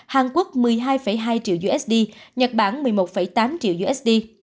hàn quốc một mươi hai hai triệu usd nhật bản một mươi một tám triệu usd